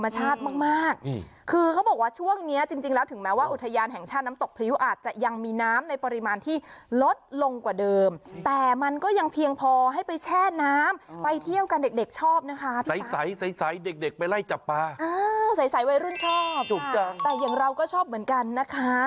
ชอบนะคะใสใสเด็กไปไล่จับปลาอ่าใสวัยรุ่นชอบถูกจังแต่อย่างเราก็ชอบเหมือนกันนะคะ